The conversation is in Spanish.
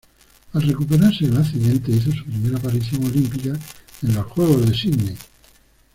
Al recuperarse del accidente, hizo su primera aparición olímpica, en los Juegos de Sidney.